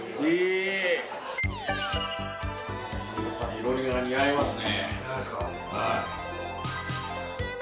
囲炉裏が似合いますね。